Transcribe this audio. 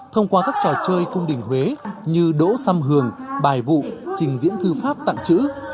thông qua các trò chơi cung đình huế như đỗ xăm hường bài vụ trình diễn thư pháp tặng chữ